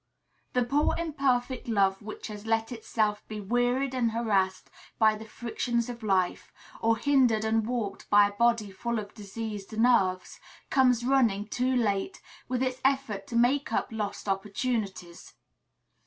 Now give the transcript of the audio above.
The poor, imperfect love which had let itself be wearied and harassed by the frictions of life, or hindered and warped by a body full of diseased nerves, comes running, too late, with its effort to make up lost opportunities.